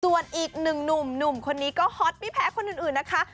ส่วนอีกหนึ่งหนุ่มคนนี้ก็ฮอตไม่แพ้คนอื่นนะคะ